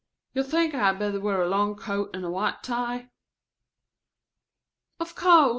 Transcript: You think I had better wear a long coat and white tie?" "Of course.